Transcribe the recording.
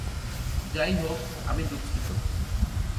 যাই হোক, আমি দুঃখিত।